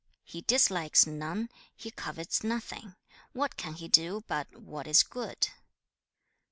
2. '"He dislikes none, he covets nothing; what can he do but what is good!"'